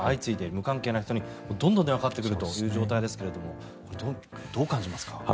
無関係な人にどんどん電話がかかってくるという状態ですがどう感じますか。